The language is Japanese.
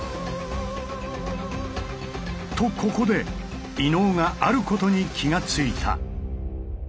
とここで伊野尾があることに気が付いた。